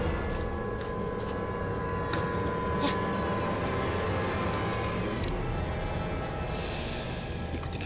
ikutin aja di belakang